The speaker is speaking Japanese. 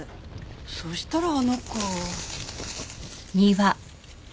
そしたらあの子。